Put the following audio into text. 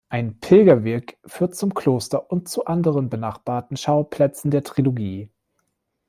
Ein Pilgerweg führt zum Kloster und zu anderen benachbarten Schauplätzen der Trilogie.